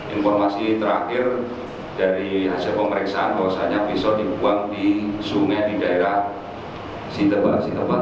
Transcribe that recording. informasi terakhir dari hasil pemeriksaan bahwasannya pisau dibuang di sungai di daerah sitebak sitebang